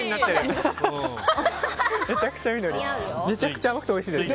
めちゃくちゃ甘くておいしいです。